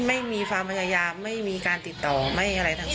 ไม่มีความพยายามไม่มีการติดต่อไม่อะไรทั้งนั้น